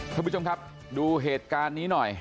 ท่านผู้ชมครับดูเหตุการณ์นี้หน่อย